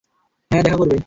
হ্যাঁ, দেখা করবে।